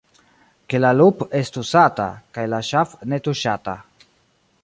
Ke la lup' estu sata, kaj la ŝaf' ne tuŝata.